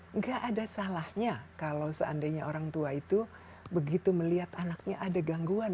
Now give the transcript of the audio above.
enggak ada salahnya kalau seandainya orang tua itu begitu melihat anaknya ada gangguan